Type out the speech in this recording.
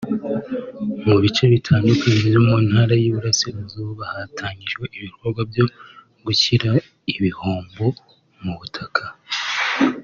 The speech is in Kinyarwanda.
Mu bice bitandukanye byo mu ntara y’i Burasirazuba hatangijwe ibikorwa byo gushyira ibihombo mu butaka